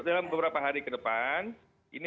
dalam beberapa hari ke depan ini